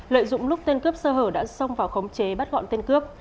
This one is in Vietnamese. lợi dụng lúc tên cướp sơ hở đã xông vào khống chế bắt gọn tên cướp